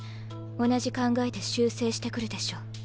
同じ考えで修正してくるでしょう。